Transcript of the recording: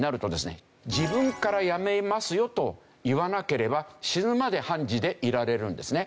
自分から辞めますよと言わなければ死ぬまで判事でいられるんですね。